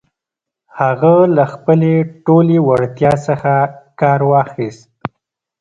هغه له خپلې ټولې وړتيا څخه کار واخيست.